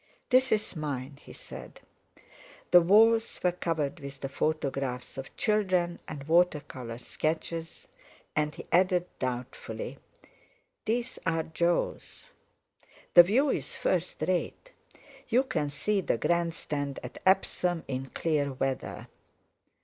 "This is mine," he said. The walls were covered with the photographs of children and watercolour sketches, and he added doubtfully: "These are Jo's. The view's first rate. You can see the Grand Stand at Epsom in clear weather."